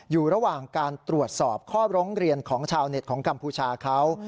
อยู่ระหว่างการตรวจสอบข้อร้องเรียนของชาวเน็ตของกัมพูชาเขา